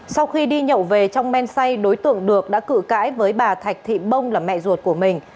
sau khi đi nhậu về trong men say đối tượng được đã cự cãi với bà thạch thị bông là mẹ ruột của mình